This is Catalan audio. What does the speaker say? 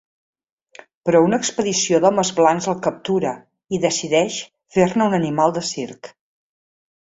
Però una expedició d'homes blancs el captura i decideix fer-ne un animal de circ.